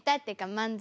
漫才。